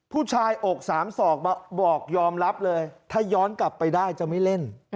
อกสามศอกมาบอกยอมรับเลยถ้าย้อนกลับไปได้จะไม่เล่น